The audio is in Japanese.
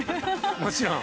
もちろん。